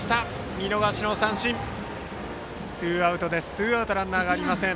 見逃し三振でツーアウトランナーがありません。